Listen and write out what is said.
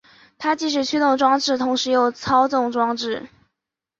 它既是驱动装置同时又是操纵装置。